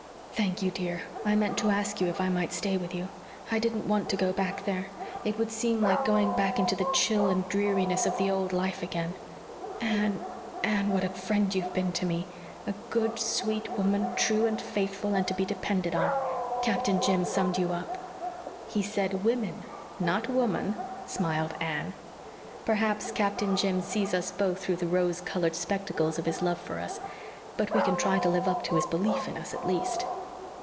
"Thank you, dear. I meant to ask you if I might stay with you. I didn't want to go back there it would seem like going back into the chill and dreariness of the old life again. Anne, Anne, what a friend you've been to me 'a good, sweet woman true and faithful and to be depended on' Captain Jim summed you up." "He said 'women,' not 'woman,'" smiled Anne. "Perhaps Captain Jim sees us both through the rose colored spectacles of his love for us. But we can try to live up to his belief in us, at least."